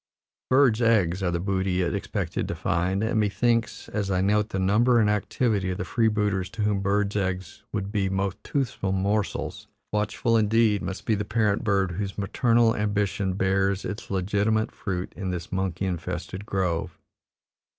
Birds' eggs are the booty it expected to find, and, me thinks, as I note the number and activity of the freebooters to whom birds' eggs would be most toothsome morsels, watchful indeed must be the parent bird whose maternal ambition bears its legitimate fruit in this monkey infested grove.